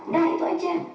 nah itu aja